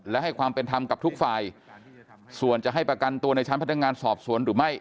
และให้ความเป็นธรรมกับทุกฝ่ายส่วนจะให้ประกันตัวในชั้นพนักงานสอบสวนหรือไม่